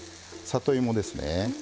里芋ですね。